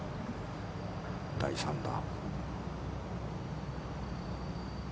第３打。